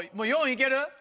４行ける？